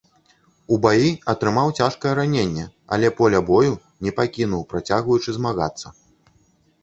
У баі атрымаў цяжкае раненне, але поля бою не пакінуў, працягваючы змагацца.